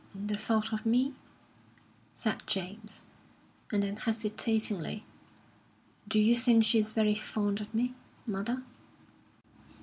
"The thought of me?" said James; and then hesitatingly: "Do you think she is very fond of me, mother?"